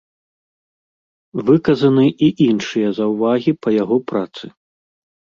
Выказаны і іншыя заўвагі па яго працы.